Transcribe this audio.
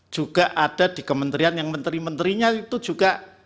juga ada di kementerian yang menteri menterinya itu juga